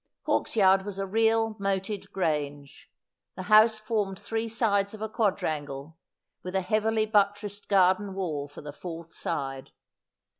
Hawksyard was a real moated grange. The house formed three sides of a quadrangle, with a heavily buttressed garden wall for the fourth side.